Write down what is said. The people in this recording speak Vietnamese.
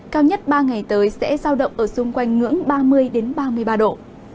cao nhất ba ngày tới sẽ giao động ở xung quanh ngưỡng ba mươi ba mươi ba độ